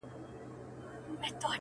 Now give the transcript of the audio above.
یو د بل به یې سرونه غوڅوله،